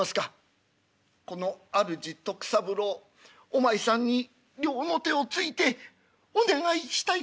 「このあるじ徳三郎お前さんに両の手をついてお願いしたいことがある。